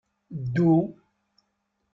Ddu.